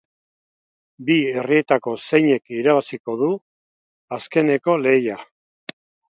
Bi herrietako zeinek irabaziko du asteazkeneko lehia?